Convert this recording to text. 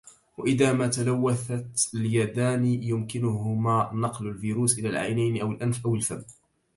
وإذا ما تلوثت اليدان يمكنها نقل الفيروس إلى العينين أو الأنف أو الفم